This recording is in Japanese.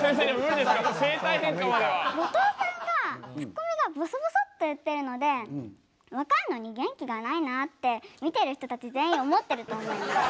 後藤さんがツッコミがぼそぼそって言ってるので若いのに元気がないなって見てる人たち全員思ってると思います。